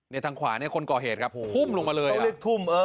ในทางขวาเนี่ยคนก่อเหตุครับโธ่ลงมาเลยต้องเรียกธุมเออ